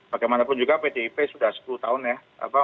bagaimanapun juga pdip sudah sepuluh tahun ya